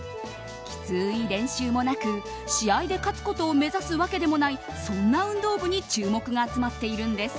きつい練習もなく、試合で勝つことを目指すわけでもないそんな運動部に注目が集まっているんです。